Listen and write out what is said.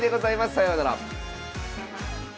さようなら。